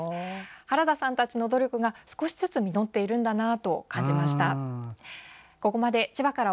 原田さんたちの努力が少しずつ実っているんだなと感じました。